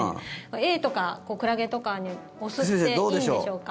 エイとかクラゲとかにお酢っていいんでしょうか。